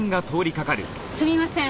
すみません。